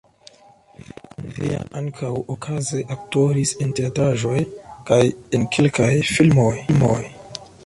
Vian ankaŭ okaze aktoris en teatraĵoj kaj en kelkaj filmoj.